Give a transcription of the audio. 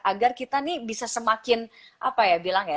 agar kita nih bisa semakin apa ya bilang ya